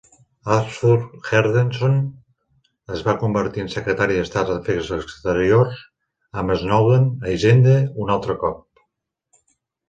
Arthur Henderson es va convertir en Secretari d'Estat d'Afers Exteriors, amb Snowden a Hisenda un altre cop.